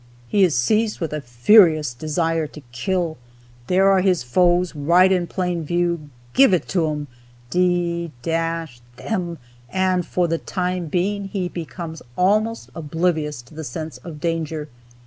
He is seized with a furious desire to kill. There are his foes, right in plain view, give it to 'em, d 'em! and for the time being he becomes almost oblivious to the sense of danger.